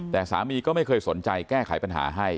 แต่สามีก็ไม่เคยสนใจแก้ไขปัญหาให้